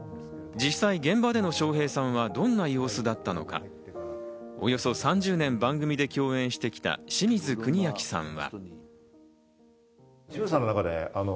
実際、現場での笑瓶さんはどんな様子だったのか、およそ３０年、番組で共演してきた清水国明さんは。